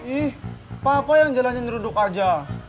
ih papa yang jalanin ruduk aja